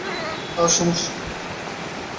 হ্যাঁ, সমস্যা নেই।